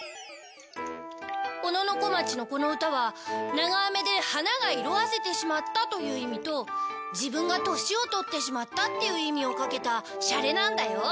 小野小町のこの歌は長雨で花が色あせてしまったという意味と自分が年を取ってしまったっていう意味をかけたシャレなんだよ。